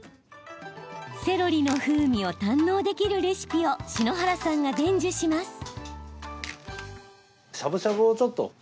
セロリの風味を堪能できるレシピを篠原さんが伝授します。